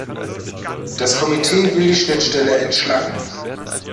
Das Komitee will die Schnittstelle entschlacken.